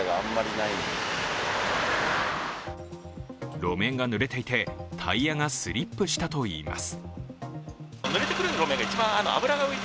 路面がぬれていてタイヤがスリップしたといいます。